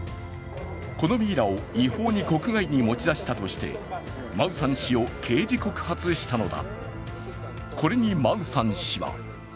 このミイラを違法に国外に持ち出したとしてマウサン氏を刑事告発したのだ。